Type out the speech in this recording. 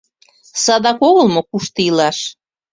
— Садак огыл мо, кушто илаш.